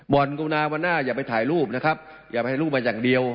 บ่อนกุณาวนาอย่าไปถ่ายรูปนะครับอย่าไปถ่ายรูปมาอย่างเดียว